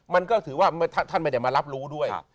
มันก็ถือว่าท่านไม่ได้มารับรู้ด้วย